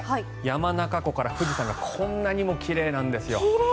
山中湖から富士山がこんなにも奇麗なんですよ。